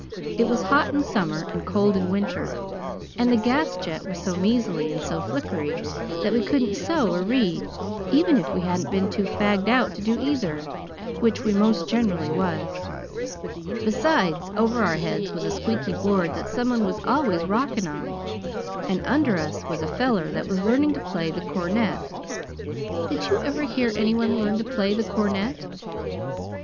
It was hot in summer, and cold in winter, and the gas jet was so measly and so flickery that we couldn't sew or read, even if we hadn't been too fagged out to do either which we 'most generally was. Besides, over our heads was a squeaky board that some one was always rockin' on, and under us was a feller that was learnin' to play the cornet. Did you ever hear any one learn to play the cornet?"